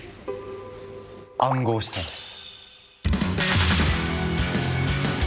暗号資産です。